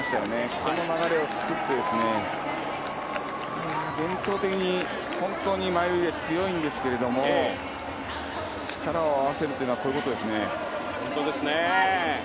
その流れを作って伝統的に本当にマイルは強いですけど、力を合わせるというのはこういうことですね。